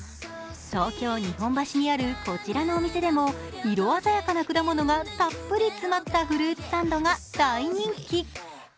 東京・日本橋にあるこちらのお店でも色鮮やかな果物がたっぷり詰まったフルーツサンドが大人気。